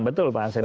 betul pak hansen